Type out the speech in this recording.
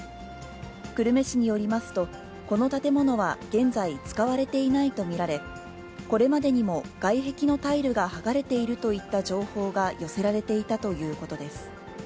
久留米市によりますと、この建物は現在、使われていないと見られ、これまでにも外壁のタイルが剥がれているといった情報が寄せられていたということです。